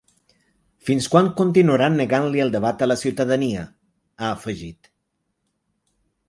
Fins quan continuaran negant-li el debat a la ciutadania?, ha afegit.